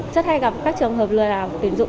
chắc hay gặp các trường hợp lừa đảo của tuyển dụng